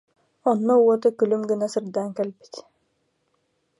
Онно уота күлүм гына сырдаан кэлбит